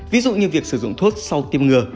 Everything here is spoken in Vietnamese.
ví dụ như việc sử dụng thuốc sau tiêm ngừa